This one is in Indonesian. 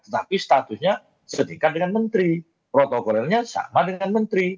tetapi statusnya setingkat dengan menteri protokolernya sama dengan menteri